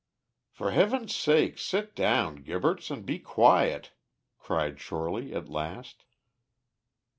"For Heaven's sake, sit down, Gibberts, and be quiet!" cried Shorely, at last.